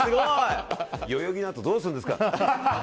代々木のあとでどうするんですか。